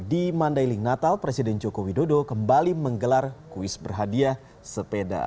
di mandailing natal presiden joko widodo kembali menggelar kuis berhadiah sepeda